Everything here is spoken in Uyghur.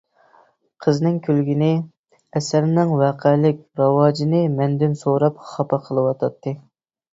قىزنىڭ كۈلگىنى، ئەسەرنىڭ ۋەقەلىك راۋاجىنى مەندىن سوراپ خاپا قىلىۋاتاتتى.